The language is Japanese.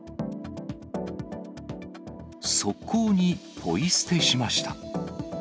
側溝にポイ捨てしました。